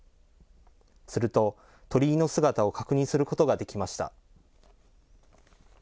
すると、鳥居の姿を確認することができました。